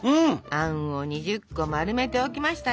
あんを２０個丸めておきましたよ。